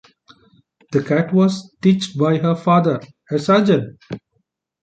The cut was stitched by her father, a surgeon.